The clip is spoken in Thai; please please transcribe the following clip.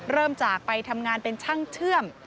เริ่มจากไปทำงานเป็นช่างเชื่อม